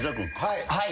はい。